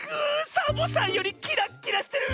サボさんよりキラッキラしてる！